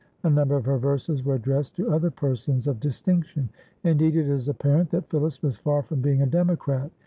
A number of her verses were addressed to other persons of distinction. Indeed, it is apparent that Phillis was far from being a democrat.